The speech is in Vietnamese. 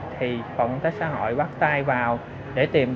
thì phòng công tác xã hội bắt tay vào để tìm hiểu